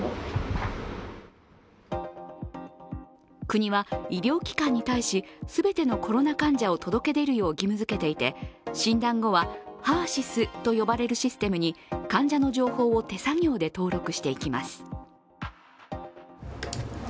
国は医療機関に対し、全てのコロナ患者を届け出るよう義務づけていて、診断後はＨＥＲ−ＳＹＳと呼ばれるシステムに患者の情報を手作業で登録していきます。